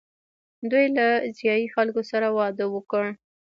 دوی له ځايي خلکو سره واده وکړ